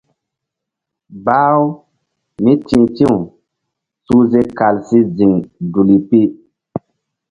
Bah-u mí ti̧h ti̧w suhze kal si ziŋ duli pi.